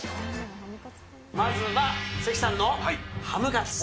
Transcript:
まずは関さんのハムカツ。